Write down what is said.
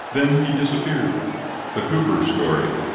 Then he disappeared." THE COOPER'S STORY.